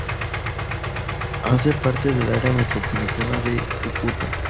Hace parte del Área Metropolitana de Cúcuta.